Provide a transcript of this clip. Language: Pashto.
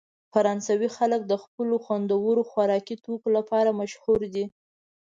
فرانسوي خلک د خپلو خوندورو خوراکي توکو لپاره مشهوره دي.